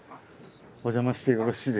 お邪魔してよろしいでしょうか？